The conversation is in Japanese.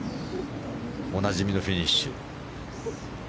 おなじみのフィニッシュ。